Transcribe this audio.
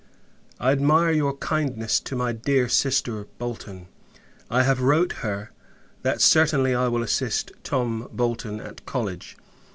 I admire your kindness to my dear sister Bolton. I have wrote her, that certainly I will assist Tom Bolton at college.